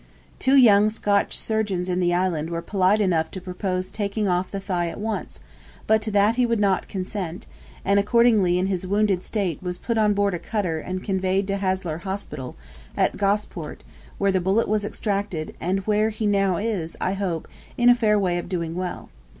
Two young Scotch surgeons in the island were polite enough to propose taking off the thigh at once, but to that he would not consent; and accordingly in his wounded state was put on board a cutter and conveyed to Haslar Hospital, at Gosport, where the bullet was extracted, and where he now is, I hope, in a fair way of doing well.